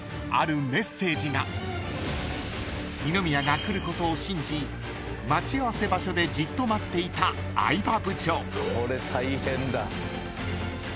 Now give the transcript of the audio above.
［二宮が来ることを信じ待ち合わせ場所でじっと待っていた相葉部長］